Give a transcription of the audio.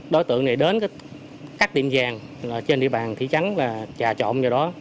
đối tượng đến các tiệm vàng trên địa bàn thị trắng trà trộm